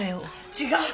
違う！